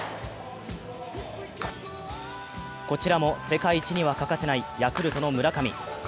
こちらも世界一には欠かせないヤクルトの村上。